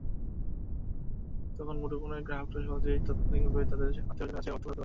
তখন মুঠোফোনের গ্রাহকেরা সহজেই তাৎক্ষণিকভাবে তাঁদের আত্মীয়স্বজনের কাছে অর্থ পাঠাতে পারবেন।